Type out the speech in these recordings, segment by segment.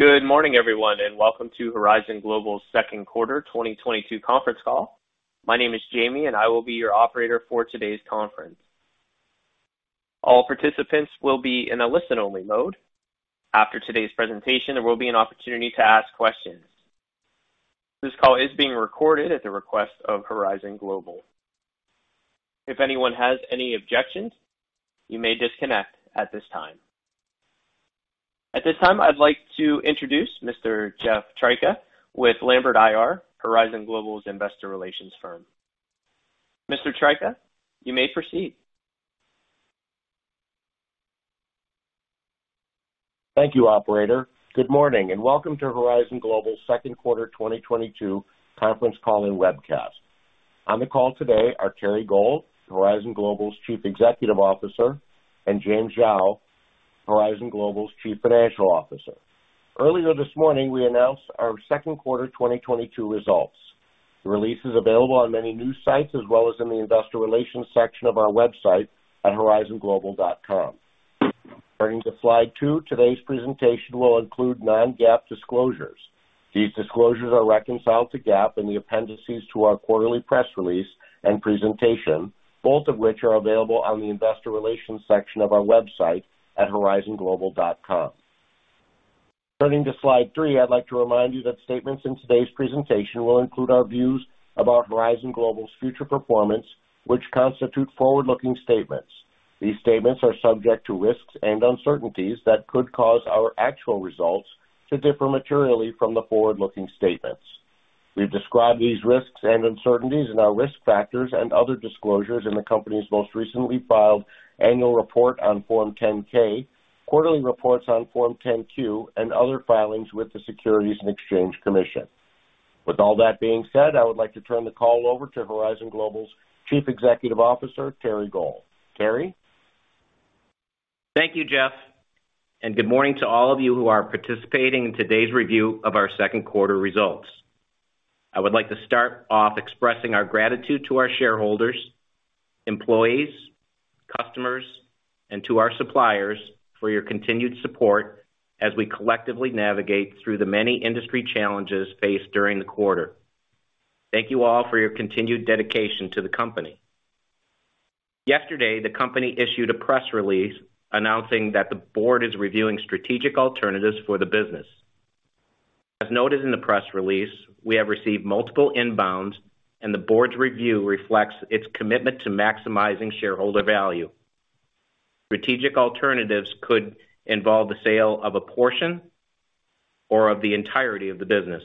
Good morning, everyone, and welcome to Horizon Global's second quarter 2022 conference call. My name is Jamie, and I will be your operator for today's conference. All participants will be in a listen-only mode. After today's presentation, there will be an opportunity to ask questions. This call is being recorded at the request of Horizon Global. If anyone has any objections, you may disconnect at this time. At this time, I'd like to introduce Mr. Jeff Tryka with Lambert IR, Horizon Global's investor relations firm. Mr. Tryka, you may proceed. Thank you, operator. Good morning and welcome to Horizon Global's second quarter 2022 conference call and webcast. On the call today are Terry Gohl, Horizon Global's Chief Executive Officer, and Jian Zhou, Horizon Global's Chief Financial Officer. Earlier this morning, we announced our second quarter 2022 results. The release is available on many news sites as well as in the investor relations section of our website at horizonglobal.com. Turning to slide two, today's presentation will include non-GAAP disclosures. These disclosures are reconciled to GAAP in the appendices to our quarterly press release and presentation, both of which are available on the investor relations section of our website at horizonglobal.com. Turning to slide three, I'd like to remind you that statements in today's presentation will include our views about Horizon Global's future performance, which constitute forward-looking statements. These statements are subject to risks and uncertainties that could cause our actual results to differ materially from the forward-looking statements. We've described these risks and uncertainties in our risk factors and other disclosures in the company's most recently filed annual report on Form 10-K, quarterly reports on Form 10-Q, and other filings with the Securities and Exchange Commission. With all that being said, I would like to turn the call over to Horizon Global's Chief Executive Officer, Terry Gohl. Terry? Thank you, Jeff, and good morning to all of you who are participating in today's review of our second quarter results. I would like to start off expressing our gratitude to our shareholders, employees, customers, and to our suppliers for your continued support as we collectively navigate through the many industry challenges faced during the quarter. Thank you all for your continued dedication to the company. Yesterday, the company issued a press release announcing that the board is reviewing strategic alternatives for the business. As noted in the press release, we have received multiple inbounds, and the board's review reflects its commitment to maximizing shareholder value. Strategic alternatives could involve the sale of a portion or of the entirety of the business.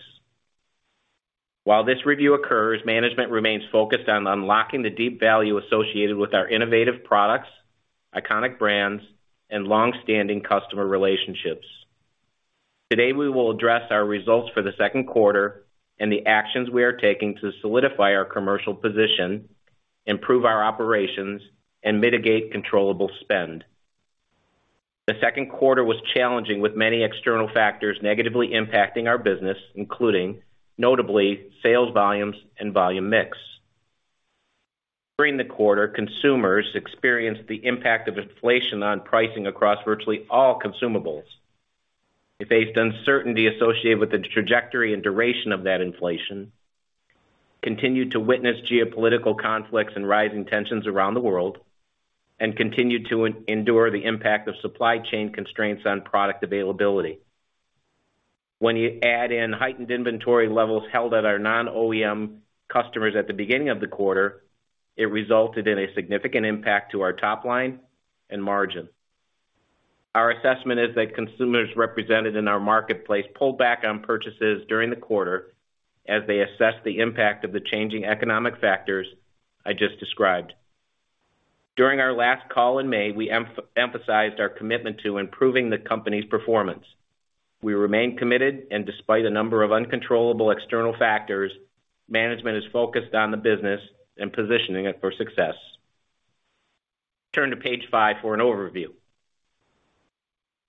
While this review occurs, management remains focused on unlocking the deep value associated with our innovative products, iconic brands, and long-standing customer relationships. Today, we will address our results for the second quarter and the actions we are taking to solidify our commercial position, improve our operations, and mitigate controllable spend. The second quarter was challenging, with many external factors negatively impacting our business, including notably sales volumes and volume mix. During the quarter, consumers experienced the impact of inflation on pricing across virtually all consumables. They faced uncertainty associated with the trajectory and duration of that inflation, continued to witness geopolitical conflicts and rising tensions around the world, and continued to endure the impact of supply chain constraints on product availability. When you add in heightened inventory levels held at our non-OEM customers at the beginning of the quarter, it resulted in a significant impact to our top line and margin. Our assessment is that consumers represented in our marketplace pulled back on purchases during the quarter as they assess the impact of the changing economic factors I just described. During our last call in May, we emphasized our commitment to improving the company's performance. We remain committed, and despite a number of uncontrollable external factors, management is focused on the business and positioning it for success. Turn to page five for an overview.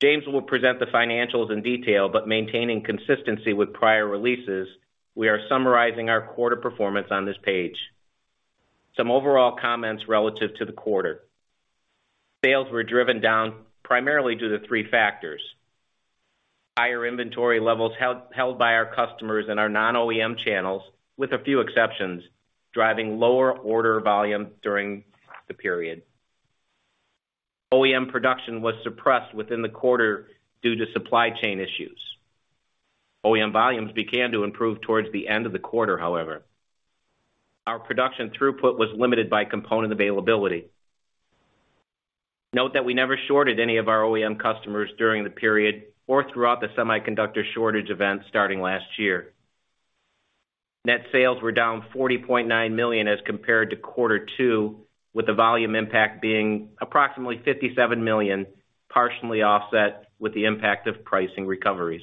Jian will present the financials in detail, but maintaining consistency with prior releases, we are summarizing our quarter performance on this page. Some overall comments relative to the quarter. Sales were driven down primarily due to three factors. Higher inventory levels held by our customers in our non-OEM channels, with a few exceptions, driving lower order volume during the period. OEM production was suppressed within the quarter due to supply chain issues. OEM volumes began to improve towards the end of the quarter, however. Our production throughput was limited by component availability. Note that we never shorted any of our OEM customers during the period or throughout the semiconductor shortage event starting last year. Net sales were down $40.9 million as compared to quarter two, with the volume impact being approximately $57 million, partially offset with the impact of pricing recoveries.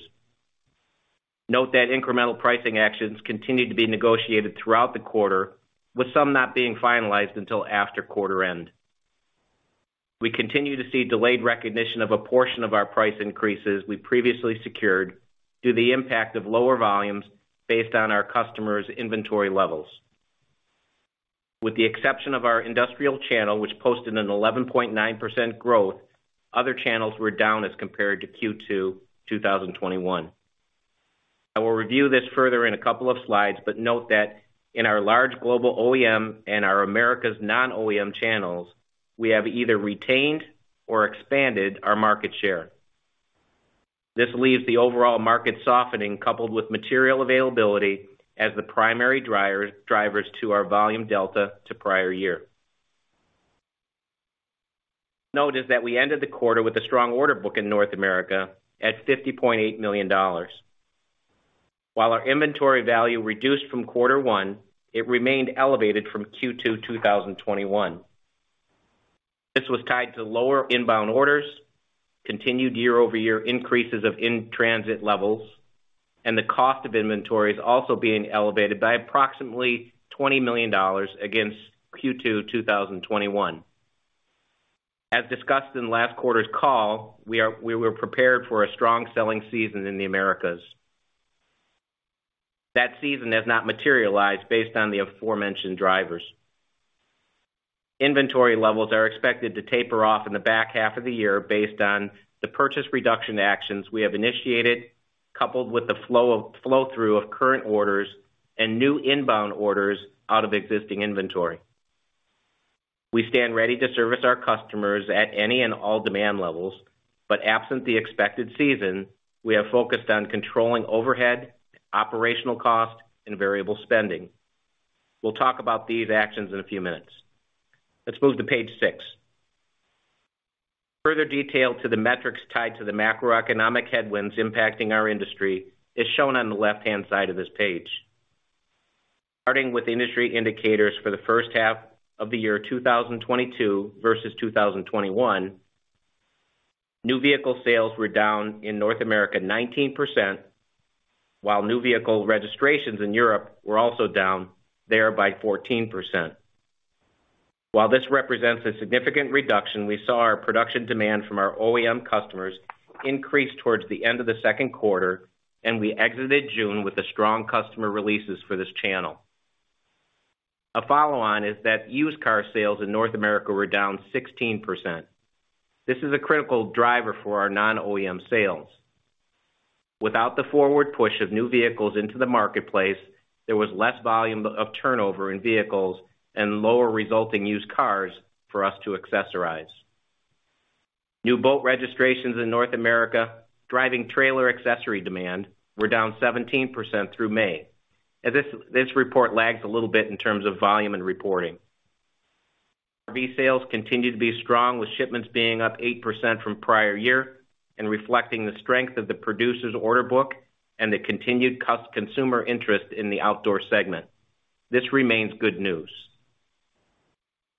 Note that incremental pricing actions continued to be negotiated throughout the quarter, with some not being finalized until after quarter end. We continue to see delayed recognition of a portion of our price increases we previously secured due to the impact of lower volumes based on our customers' inventory levels. With the exception of our industrial channel, which posted an 11.9% growth, other channels were down as compared to Q2 2021. I will review this further in a couple of slides but note that in our large global OEM and our Americas non-OEM channels, we have either retained or expanded our market share. This leaves the overall market softening, coupled with material availability as the primary drivers to our volume delta to prior year. Notice that we ended the quarter with a strong order book in North America at $50.8 million. While our inventory value reduced from quarter one, it remained elevated from Q2 2021. This was tied to lower inbound orders, continued year-over-year increases of in-transit levels, and the cost of inventories also being elevated by approximately $20 million against Q2 2021. As discussed in last quarter's call, we were prepared for a strong selling season in the Americas. That season has not materialized based on the aforementioned drivers. Inventory levels are expected to taper off in the back half of the year based on the purchase reduction actions we have initiated, coupled with the flow through of current orders and new inbound orders out of existing inventory. We stand ready to service our customers at any and all demand levels, but absent the expected season, we have focused on controlling overhead, operational costs, and variable spending. We'll talk about these actions in a few minutes. Let's move to page six. Further detail to the metrics tied to the macroeconomic headwinds impacting our industry is shown on the left-hand side of this page. Starting with industry indicators for the first half of the year 2022 versus 2021, new vehicle sales were down in North America 19%, while new vehicle registrations in Europe were also down thereby 14%. While this represents a significant reduction, we saw our production demand from our OEM customers increase towards the end of the second quarter, and we exited June with the strong customer releases for this channel. A follow-on is that used car sales in North America were down 16%. This is a critical driver for our non-OEM sales. Without the forward push of new vehicles into the marketplace, there was less volume of turnover in vehicles and lower resulting used cars for us to accessorize. New boat registrations in North America, driving trailer accessory demand, were down 17% through May. This report lags a little bit in terms of volume and reporting. RV sales continue to be strong, with shipments being up 8% from prior year and reflecting the strength of the producer's order book and the continued consumer interest in the outdoor segment. This remains good news.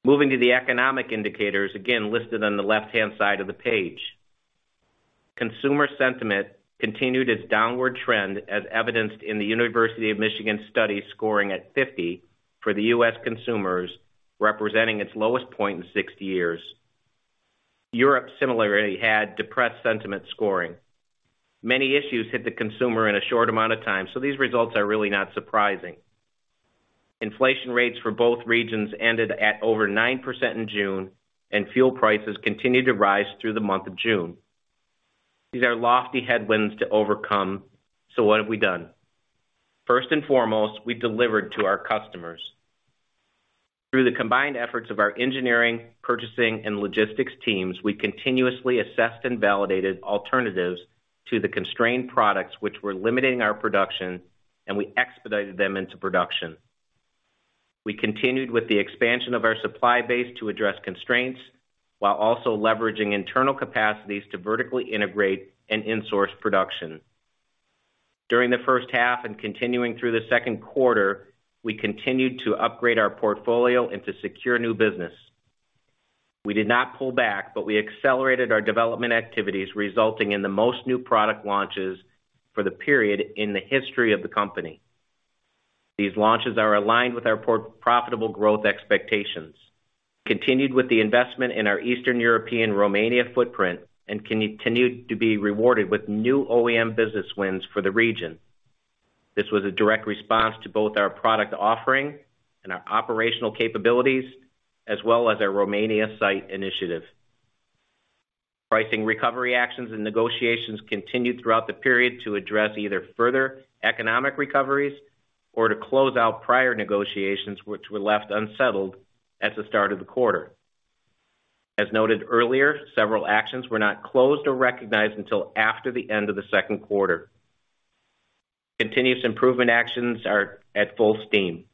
Moving to the economic indicators, again listed on the left-hand side of the page. Consumer sentiment continued its downward trend, as evidenced in the University of Michigan study scoring at 50 for the U.S. consumers, representing its lowest point in 60 years. Europe similarly had depressed sentiment scoring. Many issues hit the consumer in a short amount of time, so these results are really not surprising. Inflation rates for both regions ended at over 9% in June, and fuel prices continued to rise through the month of June. These are lofty headwinds to overcome, so what have we done? First and foremost, we delivered to our customers. Through the combined efforts of our engineering, purchasing, and logistics teams, we continuously assessed and validated alternatives to the constrained products which were limiting our production, and we expedited them into production. We continued with the expansion of our supply base to address constraints while also leveraging internal capacities to vertically integrate and insource production. During the first half and continuing through the second quarter, we continued to upgrade our portfolio and to secure new business. We did not pull back, but we accelerated our development activities, resulting in the most new product launches for the period in the history of the company. These launches are aligned with our profitable growth expectations, continued with the investment in our Eastern European Romania footprint, and continued to be rewarded with new OEM business wins for the region. This was a direct response to both our product offering and our operational capabilities, as well as our Romania site initiative. Pricing recovery actions and negotiations continued throughout the period to address either further economic recoveries or to close out prior negotiations which were left unsettled at the start of the quarter. As noted earlier, several actions were not closed or recognized until after the end of the second quarter. Continuous improvement actions are at full steam.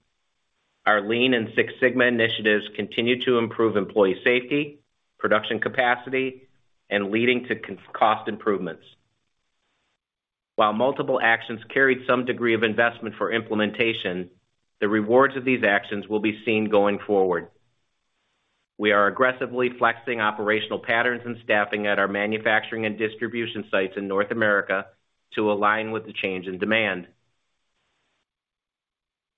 Our Lean and Six Sigma initiatives continue to improve employee safety, production capacity, and leading to cost improvements. While multiple actions carried some degree of investment for implementation, the rewards of these actions will be seen going forward. We are aggressively flexing operational patterns and staffing at our manufacturing and distribution sites in North America to align with the change in demand.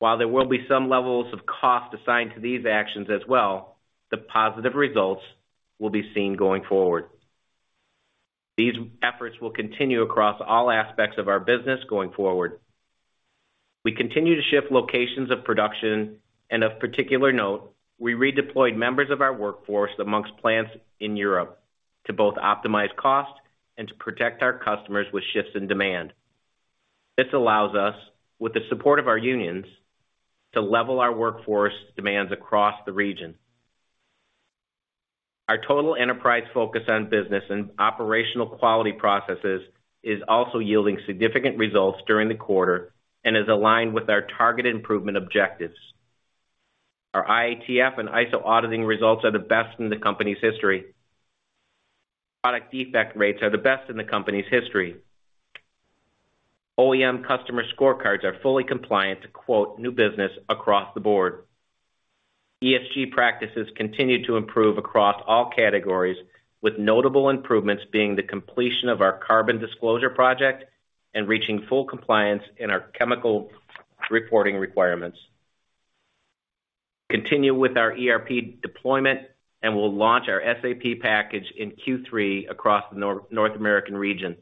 While there will be some levels of cost assigned to these actions as well, the positive results will be seen going forward. These efforts will continue across all aspects of our business going forward. We continue to shift locations of production, and of particular note, we redeployed members of our workforce amongst plants in Europe to both optimize costs and to protect our customers with shifts in demand. This allows us, with the support of our unions, to level our workforce demands across the region. Our total enterprise focus on business and operational quality processes is also yielding significant results during the quarter and is aligned with our target improvement objectives. Our IATF and ISO auditing results are the best in the company's history. Product defect rates are the best in the company's history. OEM customer scorecards are fully compliant to quote new business across the board. ESG practices continue to improve across all categories, with notable improvements being the completion of our Carbon Disclosure Project and reaching full compliance in our chemical reporting requirements. Continue with our ERP deployment, and we'll launch our SAP package in Q3 across the North American region.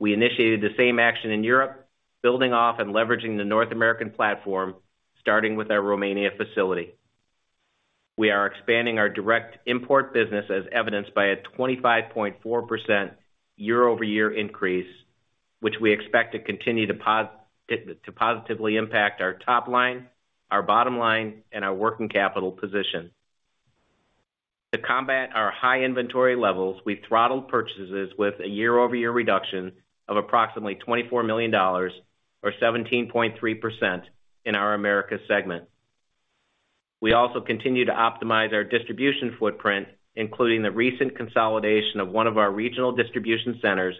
We initiated the same action in Europe, building off and leveraging the North American platform, starting with our Romania facility. We are expanding our direct import business as evidenced by a 25.4% year-over-year increase, which we expect to continue to positively impact our top line, our bottom line, and our working capital position. To combat our high inventory levels, we throttled purchases with a year-over-year reduction of approximately $24 million or 17.3% in our America segment. We also continue to optimize our distribution footprint, including the recent consolidation of one of our regional distribution centers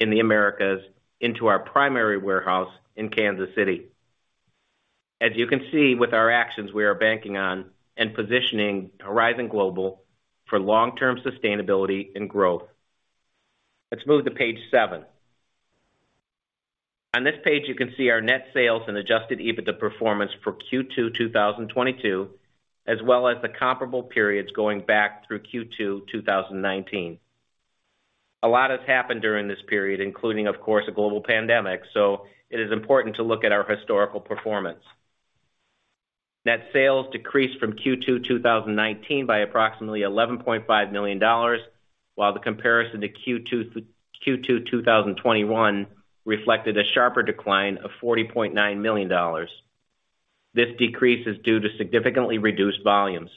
in the Americas into our primary warehouse in Kansas City. As you can see with our actions, we are banking on and positioning Horizon Global for long-term sustainability and growth. Let's move to page seven. On this page, you can see our net sales and adjusted EBITDA performance for Q2 2022, as well as the comparable periods going back through Q2 2019. A lot has happened during this period, including, of course, a global pandemic, so it is important to look at our historical performance. Net sales decreased from Q2 2019 by approximately $11.5 million, while the comparison to Q2 2021 reflected a sharper decline of $49.9 million. This decrease is due to significantly reduced volumes.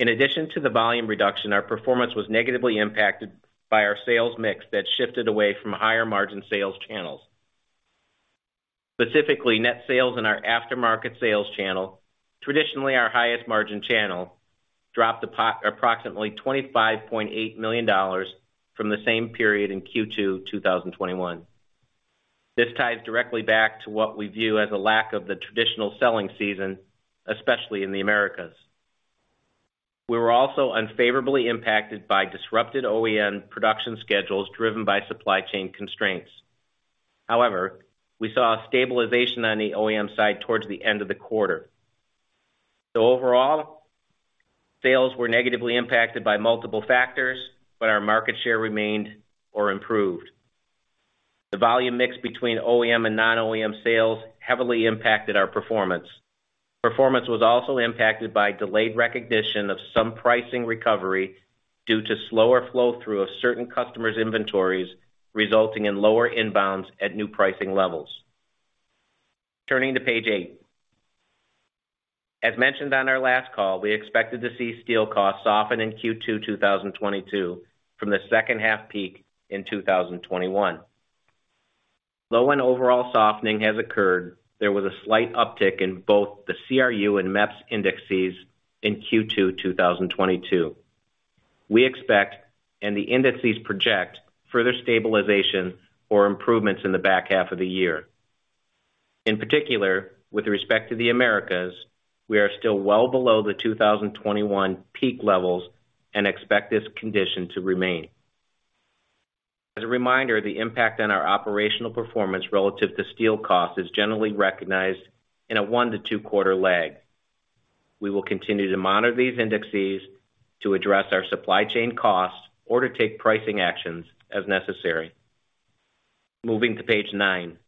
In addition to the volume reduction, our performance was negatively impacted by our sales mix that shifted away from higher margin sales channels. Specifically, net sales in our aftermarket sales channel, traditionally our highest margin channel, dropped approximately $25.8 million from the same period in Q2 2021. This ties directly back to what we view as a lack of the traditional selling season, especially in the Americas. We were also unfavorably impacted by disrupted OEM production schedules driven by supply chain constraints. However, we saw a stabilization on the OEM side towards the end of the quarter. Overall, sales were negatively impacted by multiple factors, but our market share remained or improved. The volume mix between OEM and non-OEM sales heavily impacted our performance. Performance was also impacted by delayed recognition of some pricing recovery due to slower flow through of certain customers' inventories, resulting in lower inbounds at new pricing levels. Turning to page eight. As mentioned on our last call, we expected to see steel costs soften in Q2 2022 from the second half peak in 2021. Low-end overall softening has occurred. There was a slight uptick in both the CRU and MEPS indices in Q2 2022. We expect, and the indices project, further stabilization or improvements in the back half of the year. In particular, with respect to the Americas, we are still well below the 2021 peak levels and expect this condition to remain. As a reminder, the impact on our operational performance relative to steel cost is generally recognized in a one-two quarter lag. We will continue to monitor these indices to address our supply chain costs or to take pricing actions as necessary. Moving to page nine.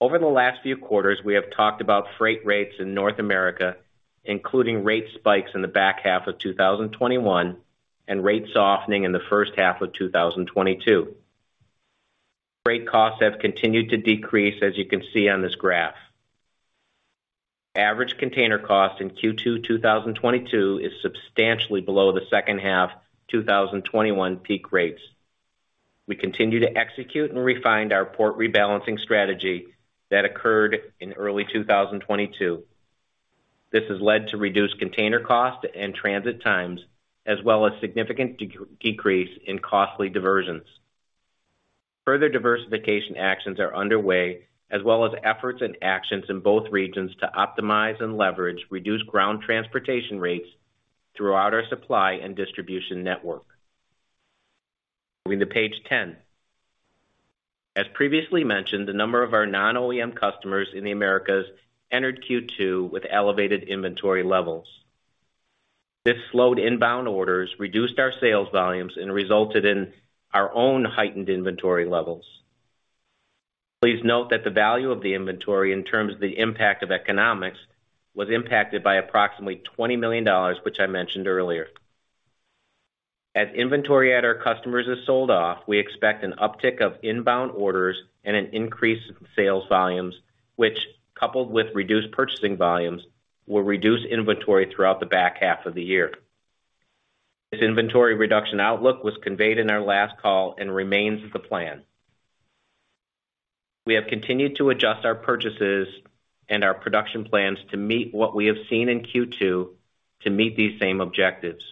Over the last few quarters, we have talked about freight rates in North America, including rate spikes in the back half of 2021 and rate softening in the first half of 2022. Freight costs have continued to decrease, as you can see on this graph. Average container cost in Q2 2022 is substantially below the second half 2021 peak rates. We continue to execute and refined our port rebalancing strategy that occurred in early 2022. This has led to reduced container cost and transit times, as well as significant decrease in costly diversions. Further diversification actions are underway, as well as efforts and actions in both regions to optimize and leverage reduced ground transportation rates throughout our supply and distribution network. Moving to page 10. As previously mentioned, the number of our non-OEM customers in the Americas entered Q2 with elevated inventory levels. This slowed inbound orders, reduced our sales volumes, and resulted in our own heightened inventory levels. Please note that the value of the inventory in terms of the impact of economics was impacted by approximately $20 million, which I mentioned earlier. As inventory at our customers is sold off, we expect an uptick of inbound orders and an increase in sales volumes, which coupled with reduced purchasing volumes, will reduce inventory throughout the back half of the year. This inventory reduction outlook was conveyed in our last call and remains the plan. We have continued to adjust our purchases and our production plans to meet what we have seen in Q2 to meet these same objectives.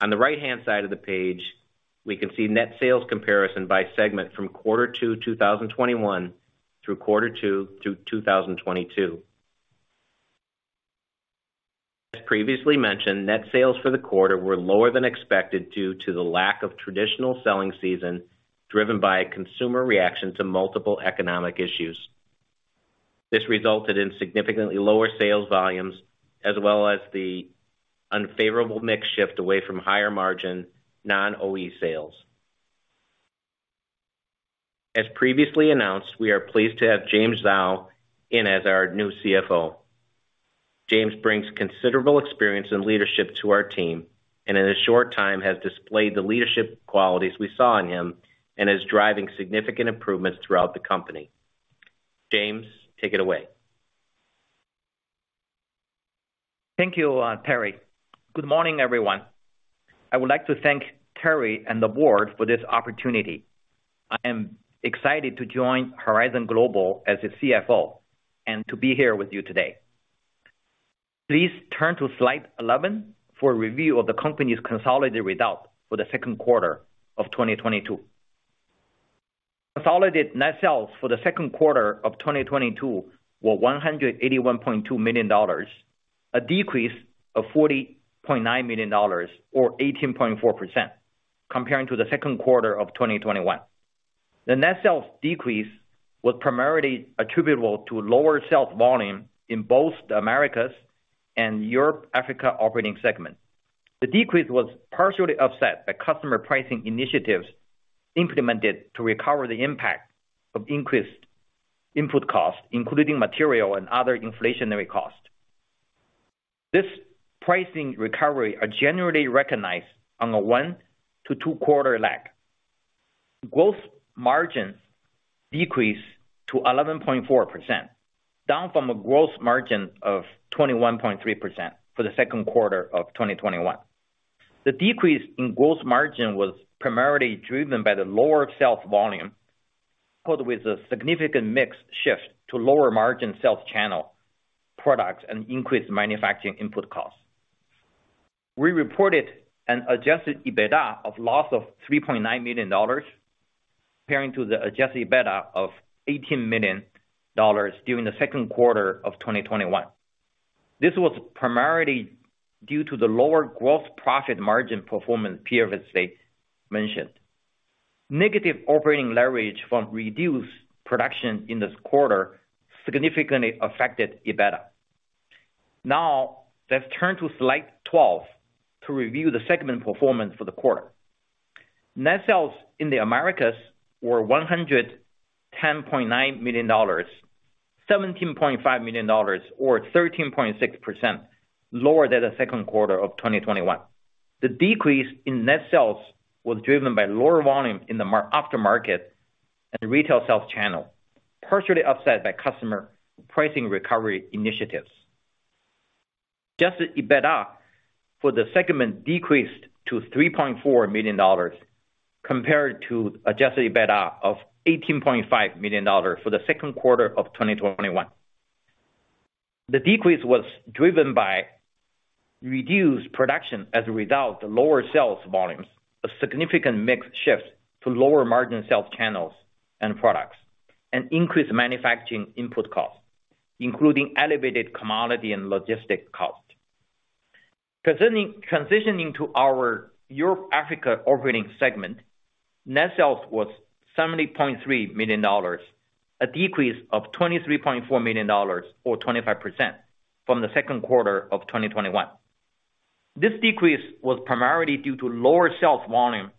On the right-hand side of the page, we can see net sales comparison by segment from quarter two, 2021 through quarter two to 2022. As previously mentioned, net sales for the quarter were lower than expected due to the lack of traditional selling season, driven by consumer reaction to multiple economic issues. This resulted in significantly lower sales volumes as well as the unfavorable mix shift away from higher margin non-OE sales. As previously announced, we are pleased to have Jian Zhou in as our new CFO. Jian brings considerable experience and leadership to our team. In a short time has displayed the leadership qualities we saw in him and is driving significant improvements throughout the company. Jian, take it away. Thank you, Terry. Good morning, everyone. I would like to thank Terry and the board for this opportunity. I am excited to join Horizon Global as the CFO and to be here with you today. Please turn to slide 11 for a review of the company's consolidated results for the second quarter of 2022. Consolidated net sales for the second quarter of 2022 were $181.2 million, a decrease of $40.9 million or 18.4% comparing to the second quarter of 2021. The net sales decrease was primarily attributable to lower sales volume in both the Americas and Europe, Africa operating segment. The decrease was partially offset by customer pricing initiatives implemented to recover the impact of increased input costs, including material and other inflationary costs. This pricing recovery are generally recognized on a one- to two-quarter lag. Gross margins decreased to 11.4%, down from a gross margin of 21.3% for the second quarter of 2021. The decrease in gross margin was primarily driven by the lower sales volume, coupled with a significant mix shift to lower margin sales channel products and increased manufacturing input costs. We reported an adjusted EBITDA loss of $3.9 million compared to the adjusted EBITDA of $18 million during the second quarter of 2021. This was primarily due to the lower gross profit margin performance Terry just mentioned. Negative operating leverage from reduced production in this quarter significantly affected EBITDA. Now, let's turn to slide 12 to review the segment performance for the quarter. Net sales in the Americas were $110.9 million, $17.5 million or 13.6% lower than the second quarter of 2021. The decrease in net sales was driven by lower volume in the after-market and retail sales channel, partially offset by customer pricing recovery initiatives. Adjusted EBITDA for the segment decreased to $3.4 million compared to adjusted EBITDA of $18.5 million for the second quarter of 2021. The decrease was driven by reduced production as a result of the lower sales volumes, a significant mix shift to lower margin sales channels and products, and increased manufacturing input costs, including elevated commodity and logistics costs. Transitioning to our Europe, Africa operating segment, net sales was $73 million, a decrease of $23.4 million or 25% from the second quarter of 2021. This decrease was primarily due to lower sales volume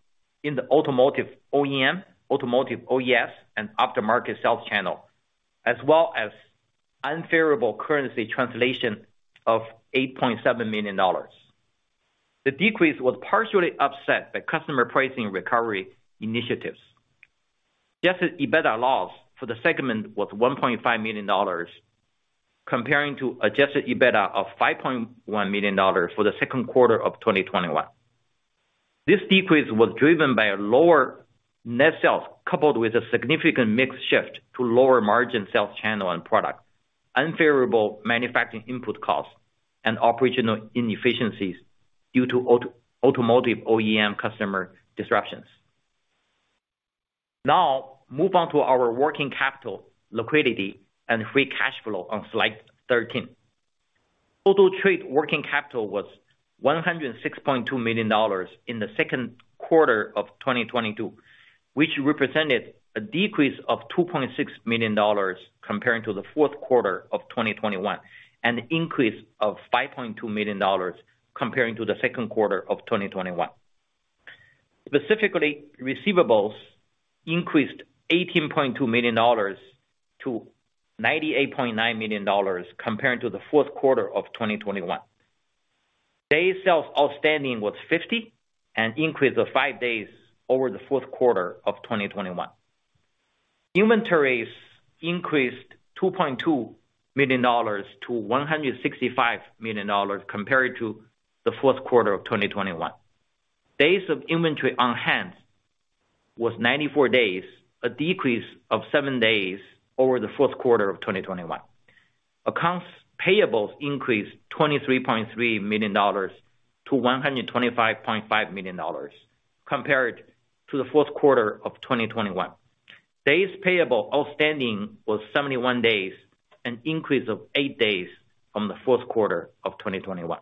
in the automotive OEM, automotive OES, and aftermarket sales channel, as well as unfavorable currency translation of $8.7 million. The decrease was partially offset by customer pricing recovery initiatives. Adjusted EBITDA loss for the segment was $1.5 million, comparing to adjusted EBITDA of $5.1 million for the second quarter of 2021. This decrease was driven by a lower net sales, coupled with a significant mix shift to lower margin sales channel and product, unfavorable manufacturing input costs, and operational inefficiencies due to automotive OEM customer disruptions. Now, move on to our working capital liquidity and free cash flow on slide 13. Our trade working capital was $106.2 million in the second quarter of 2022, which represented a decrease of $2.6 million comparing to the fourth quarter of 2021, and an increase of $5.2 million comparing to the second quarter of 2021. Specifically, receivables increased $18.2 million-$98.9 million compared to the fourth quarter of 2021. Days sales outstanding was 50, an increase of five days over the fourth quarter of 2021. Inventories increased $2.2 million-$165 million compared to the fourth quarter of 2021. Days of inventory on hand was 94 days, a decrease of seven days over the fourth quarter of 2021. Accounts payables increased $23.3 million-$125.5 million compared to the fourth quarter of 2021. Days payable outstanding was 71 days, an increase of eight days from the fourth quarter of 2021.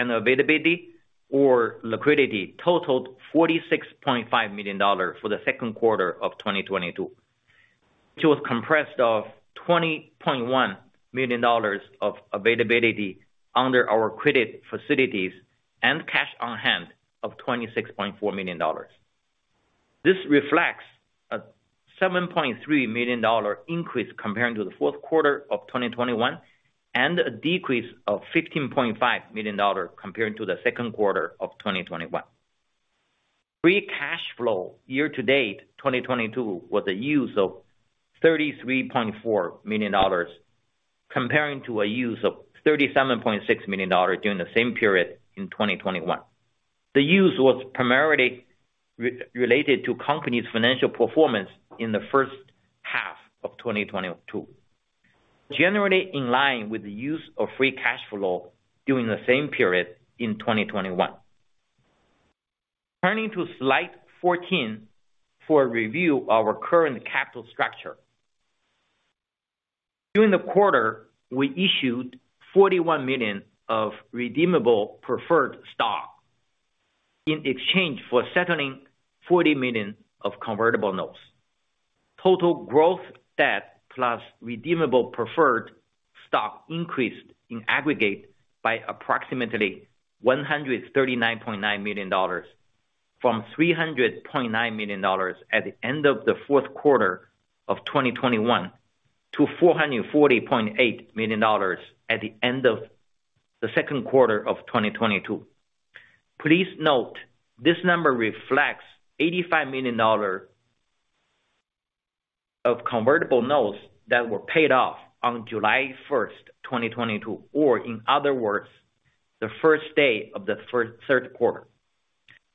Availability or liquidity totaled $46.5 million for the second quarter of 2022, which was comprised of $20.1 million of availability under our credit facilities and cash on hand of $26.4 million. This reflects a $7.3 million increase compared to the fourth quarter of 2021, and a decrease of $15.5 million compared to the second quarter of 2021. Free cash flow year-to-date, 2022, was a use of $33.4 million, compared to a use of $37.6 million during the same period in 2021. The use was primarily related to company's financial performance in the first half of 2022, generally in line with the use of free cash flow during the same period in 2021. Turning to slide 14 for a review of our current capital structure. During the quarter, we issued $41 million of redeemable preferred stock in exchange for settling $40 million of convertible notes. Total growth debt plus redeemable preferred stock increased in aggregate by approximately $139.9 million from $300.9 million at the end of the fourth quarter of 2021 to $440.8 million at the end of the second quarter of 2022. Please note this number reflects $85 million of convertible notes that were paid off on July 1st, 2022, or in other words, the first day of the third quarter.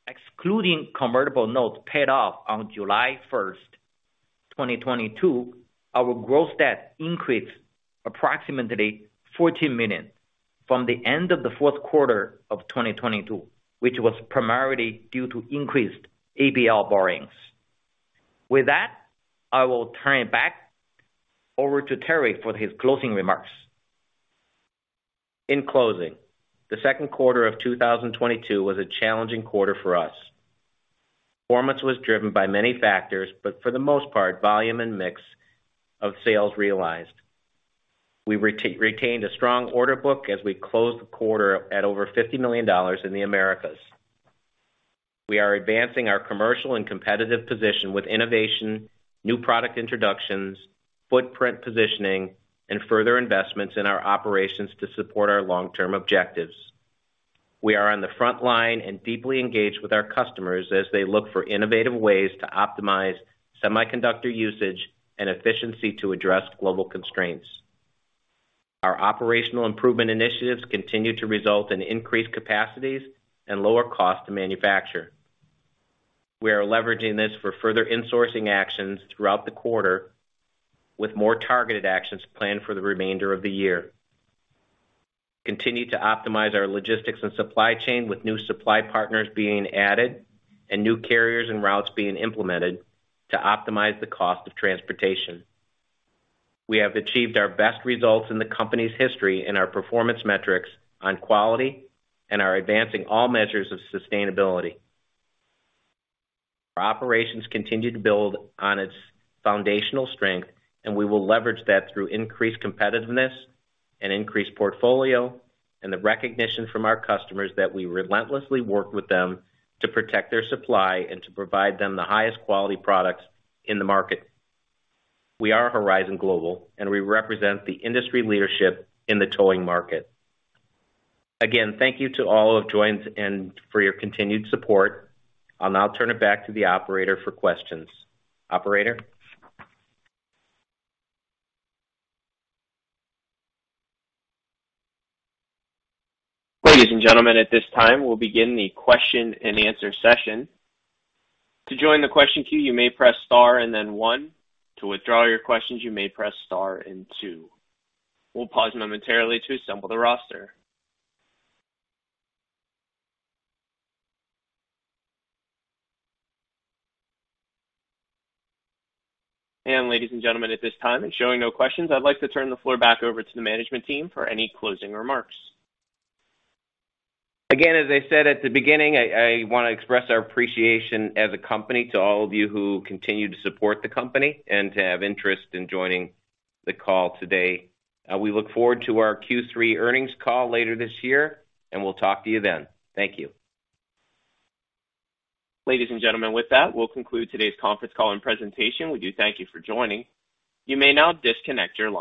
Excluding convertible notes paid off on July 1st, 2022, our growth debt increased approximately $14 million from the end of the fourth quarter of 2021, which was primarily due to increased ABL borrowings. With that, I will turn it back over to Terry for his closing remarks. In closing, the second quarter of 2022 was a challenging quarter for us. Performance was driven by many factors, but for the most part, volume and mix of sales realized. We retained a strong order book as we closed the quarter at over $50 million in the Americas. We are advancing our commercial and competitive position with innovation, new product introductions, footprint positioning, and further investments in our operations to support our long-term objectives. We are on the front line and deeply engaged with our customers as they look for innovative ways to optimize semiconductor usage and efficiency to address global constraints. Our operational improvement initiatives continue to result in increased capacities and lower cost to manufacture. We are leveraging this for further insourcing actions throughout the quarter with more targeted actions planned for the remainder of the year. Continue to optimize our logistics and supply chain with new supply partners being added and new carriers and routes being implemented to optimize the cost of transportation. We have achieved our best results in the company's history in our performance metrics on quality and are advancing all measures of sustainability. Our operations continue to build on its foundational strength, and we will leverage that through increased competitiveness and increased portfolio, and the recognition from our customers that we relentlessly work with them to protect their supply and to provide them the highest quality products in the market. We are Horizon Global, and we represent the industry leadership in the towing market. Again, thank you to all who have joined and for your continued support. I'll now turn it back to the operator for questions. Operator? Ladies and gentlemen, at this time, we'll begin the question-and-answer session. To join the question queue, you may press star and then one. To withdraw your questions, you may press star and two. We'll pause momentarily to assemble the roster. Ladies and gentlemen, at this time, and showing no questions, I'd like to turn the floor back over to the management team for any closing remarks. Again, as I said at the beginning, I wanna express our appreciation as a company to all of you who continue to support the company and to have interest in joining the call today. We look forward to our Q3 earnings call later this year, and we'll talk to you then. Thank you. Ladies and gentlemen, with that, we'll conclude today's conference call and presentation. We do thank you for joining. You may now disconnect your line.